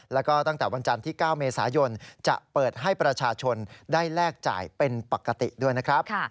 แล้วก็ตั้งแต่วันจันทร์ที่๙เมษายนจะเปิดให้ประชาชนได้แลกจ่ายเป็นปกติด้วยนะครับ